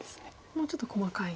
もうちょっと細かい。